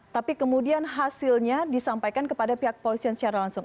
tapi kemudian hasilnya disampaikan kepada pihak polisian secara langsung